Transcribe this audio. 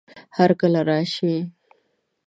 هرکله راشئ!